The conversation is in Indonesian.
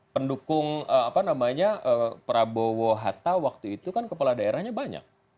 pendukung prabowo hatta waktu itu kan kepala daerahnya banyak